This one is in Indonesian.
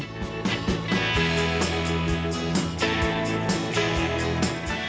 pembangunan pemprov dki